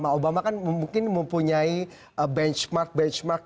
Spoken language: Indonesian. karena obama kan mungkin mempunyai benchmark benchmark